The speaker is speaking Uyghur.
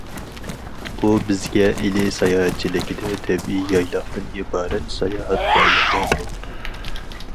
ئۇ بىزگە: ئىلى ساياھەتچىلىكىدە تەبىئىي يايلاقتىن ئىبارەت ساياھەت بايلىقى مول.